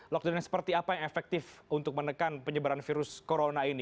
lockdownnya seperti apa yang efektif untuk menekan penyebaran virus corona ini